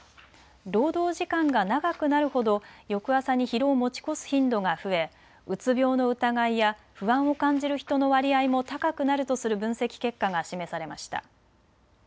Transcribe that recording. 労働時間が長くなるほど翌朝に疲労を持ち越す頻度が増えうつ病の疑いや不安を感じる人の割合も高くなるとする分析結果が示されました。